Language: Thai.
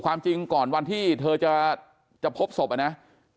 ความจริงก่อนวันที่เธอจะพบศพอะนะ